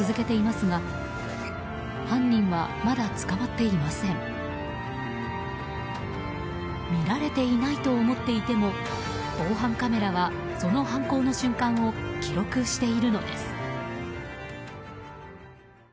見られていないと思っていても防犯カメラはその犯行の瞬間を記録しているのです。